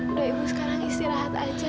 udah ibu sekarang istirahat aja